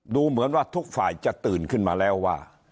ดูเหมือนว่าทุกฝ่ายจะตื่นขึ้นมาแล้วว่า